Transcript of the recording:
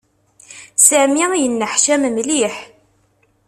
Sami yenneḥcam mliḥ.